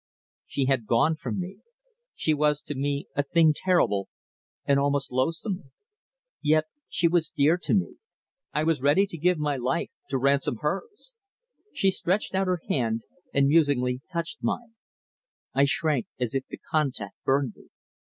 She had gone from me. She was to me a thing terrible, and almost loathsome. Yet she was dear to me. I was ready to give my life to ransom hers. She stretched out her hand and musingly touched mine. I shrank as if the contact burned me.